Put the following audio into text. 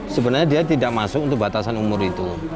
sebenarnya dia tidak masuk untuk batasan umur itu